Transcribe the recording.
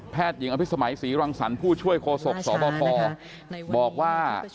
หญิงอภิษมัยศรีรังสรรค์ผู้ช่วยโคศกสบคบอกว่า